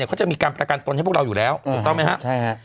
เขาจะมีการประกันตนให้พวกเราอยู่แล้วถูกต้องไหมครับ